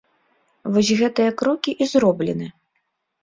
Вось гэтыя крокі і зроблены.